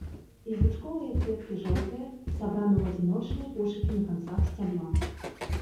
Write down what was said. Язычковыя кветкі жоўтыя, сабраны ў адзіночныя кошыкі на канцах сцябла.